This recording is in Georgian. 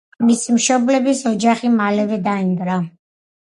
მისი მშობლების ოჯახი მალევე დაინგრა.